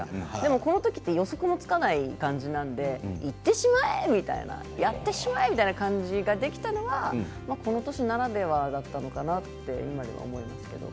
この時は予測もつかない感じなので、いってしまえ、やってしまえみたいな感じができたのはこの年ならではだったのかなって。